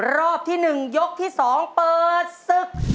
รอบที่๑ยกที่๒เปิดศึก